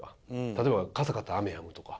例えば「傘買ったら雨やむ」とか。